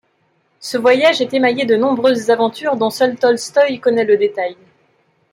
Ce voyage est émaillé de nombreuses aventures, dont seul Tolstoï connaît le détail.